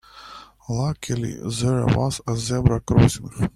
Luckily there was a zebra crossing.